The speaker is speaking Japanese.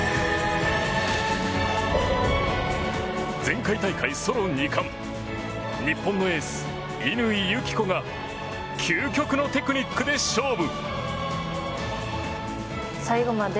前回大会ソロ２冠日本のエース、乾友紀子が究極のテクニックで勝負。